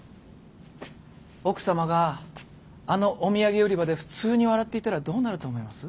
奥様があのお土産売り場で普通に笑っていたらどうなると思います？